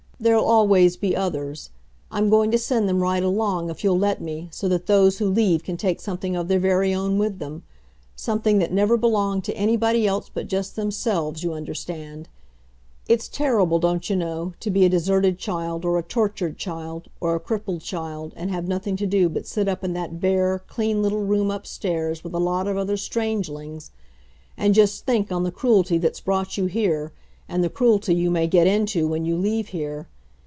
There'll always be others. I'm going to send them right along, if you'll let me, so that those who leave can take something of their very own with them something that never belonged to anybody else but just themselves, you understand. It's terrible, don't you know, to be a deserted child or a tortured child or a crippled child and have nothing to do but sit up in that bare, clean little room upstairs with a lot of other strangelings and just think on the cruelty that's brought you here and the cruelty you may get into when you leave here.